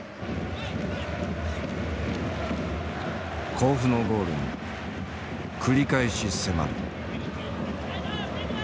甲府のゴールに繰り返し迫る。